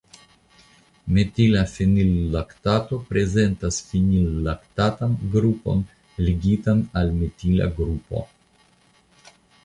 Metila fenillaktato prezentas fenillaktatan grupon ligitan al metila grupo.